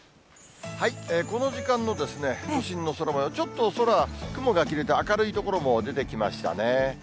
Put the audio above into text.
この時間の都心の空もよう、ちょっと空、雲が切れて、明るい所も出てきましたね。